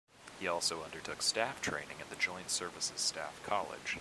He also undertook staff training at the Joint Services Staff College.